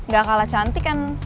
gak kalah cantik kan